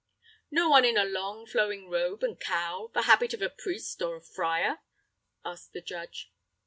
"No one in a long flowing robe and cowl, the habit of a priest or a friar?" asked the judge.